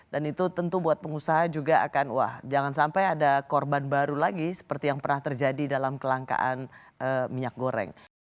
dan itu tentu buat pengusaha juga akan wah jangan sampai ada korban baru lagi seperti yang pernah terjadi dalam kelangkaan minyak goreng